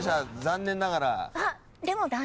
残念ながら。